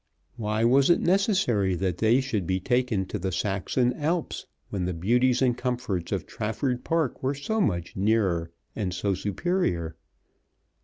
Why was it necessary that they should be taken to the Saxon Alps when the beauties and comforts of Trafford Park were so much nearer and so superior?